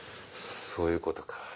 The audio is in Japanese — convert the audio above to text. そういうことか。